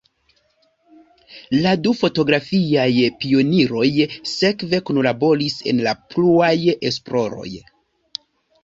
La du fotografiaj pioniroj sekve kunlaboris en pluaj esploroj.